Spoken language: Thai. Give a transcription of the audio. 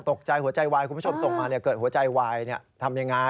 ตกใจหัวใจวายคุณผู้ชมส่งมาเกิดหัวใจวายทำยังไง